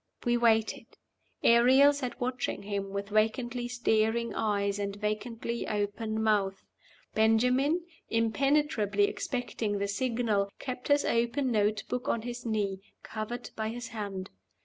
We waited. Ariel sat watching him with vacantly staring eyes and vacantly open mouth. Ben jamin, impenetrably expecting the signal, kept his open note book on his knee, covered by his hand.